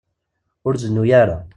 Ur zennu ara.